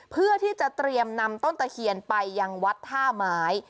เพื่อที่จะเตรียมนำต้นตะเคียนไปยังวัดท่าไม้